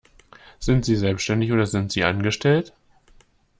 Sind sie selbstständig oder sind sie Angestellt?